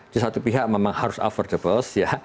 di satu pihak memang harus affordables ya